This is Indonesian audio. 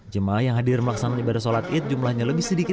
jemaah yang hadir melaksanakan ibadah sholat id jumlahnya lebih sedikit